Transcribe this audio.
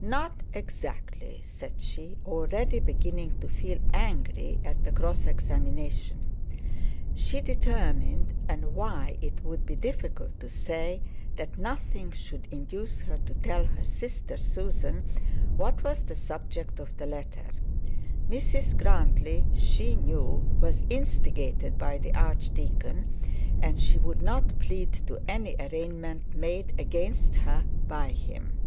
'Not exactly,' said she, already beginning to feel angry at the cross examination. She determined, and why it would be difficult to say, that nothing would induce her to tell her sister Susan what was the subject of the letter. Mrs Grantly, she knew, was instigated by the archdeacon, and she would not plead to any arraignment made against her by him.